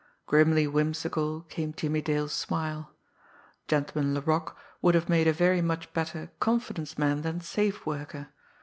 Grimly whimsical came Jimmie Dale's smile. Gentleman Laroque would have made a very much better "confidence" man than safe worker.